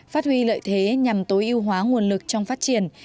phát huy lợi thế nhằm tối ưu hóa nguồn lực trong phát triển